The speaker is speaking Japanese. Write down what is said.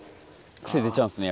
癖出ちゃうんですね